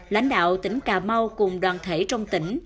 lãnh đạo tỉnh cà mau cùng đoàn thể trong tỉnh